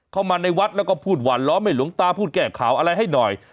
เข้ามาในวัดแล้วก็พูดหวานล้อมให้หลวงตาพูดแก้ข่าวอะไรให้หน่อย